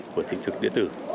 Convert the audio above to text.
của thịnh thực điện tử